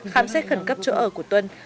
khám xét khẩn cấp chỗ ở của tuân